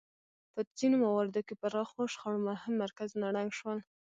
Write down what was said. په ځینو مواردو کې پراخو شخړو مهم مرکزونه ړنګ شول.